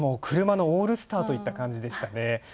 車のオールスターといった感じでしたね。